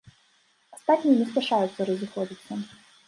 Астатнія не спяшаюцца разыходзіцца.